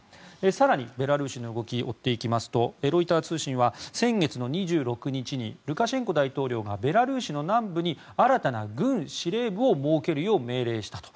更にベラルーシの動きを追っていきますとロイター通信は先月の２６日にルカシェンコ大統領がベラルーシの南部に新たな軍司令部を設けるよう命令したと。